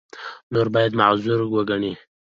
نور باید معذور وګڼي.